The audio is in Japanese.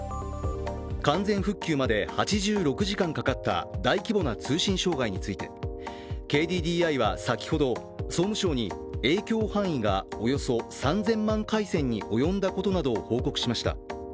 完全復旧まで８６時間かかった大規模な通信障害についてＫＤＤＩは先ほど、総務省に影響範囲がおよそ３０００万回線に及んだことなどを報告しました。